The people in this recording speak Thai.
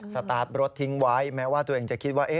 สตาร์ทรถทิ้งไว้แม้ว่าตัวเองจะคิดว่า